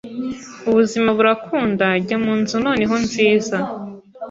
ubuzima burakunda njya munzu noneho nziza